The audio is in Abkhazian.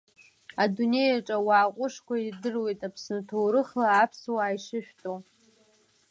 Адунеиаҿ ауаа ҟәышқәа ирдыруеит, Аԥсны ҭоурыхла аԥсуаа ишышәтәу.